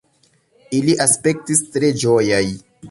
Ili aspektis tre ĝojaj.